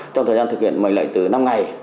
trong thời gian thực hiện mệnh lệnh từ năm ngày